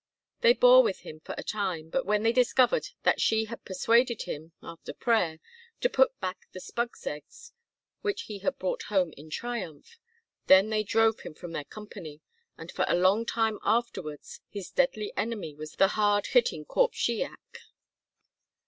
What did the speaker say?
They bore with him for a time, but when they discovered that she had persuaded him (after prayer) to put back the spug's eggs which he had brought home in triumph, then they drove him from their company, and for a long time afterwards his deadly enemy was the hard hitting Corp Shiach.